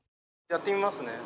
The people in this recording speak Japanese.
やってみますね。